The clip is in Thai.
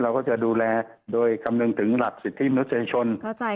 เราก็จะดูแลโดยคำนึงถึงหลักสิทธิมนุษยชน